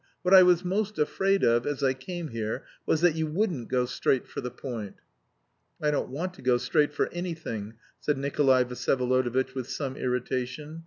What I was most afraid of, as I came here, was that you wouldn't go straight for the point." "I don't want to go straight for anything," said Nikolay Vsyevolodovitch with some irritation.